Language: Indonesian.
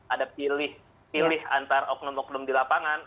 ada pilih antar oknum oknum di lapangan